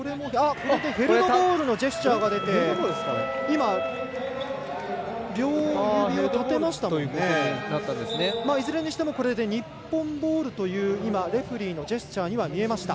ヘルドボールのジェスチャーが出ていずれにしてもこれで日本ボールというレフェリーのジェスチャーには見えました。